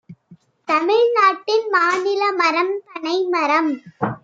தமிழ்நாட்டின் மாநில மரம் பனைமரம்